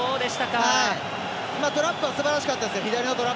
トラップはすばらしかったですから。